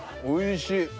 おいしい。